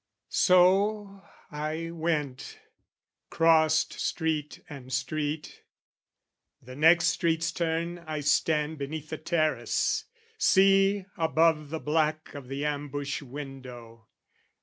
So, I went: crossed street and street: "The next street's turn, "I stand beneath the terrace, see, above, "The black of the ambush window.